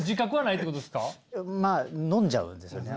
いやまあ飲んじゃうんですよね。